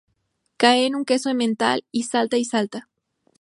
Cae en un queso emmental y salta y salta.